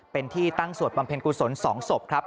เป็นที่ตั้งสวดบำเพ็ญกุศล๒ศพครับ